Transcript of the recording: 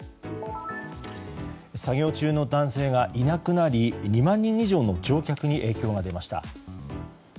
作業中の男性がいなくなり２万人以上の乗客に影響が出ました。